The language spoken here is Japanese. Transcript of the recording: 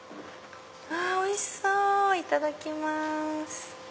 あおいしそういただきます。